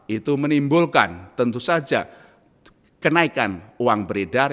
itu menimbulkan tentu saja kenaikan uang beredar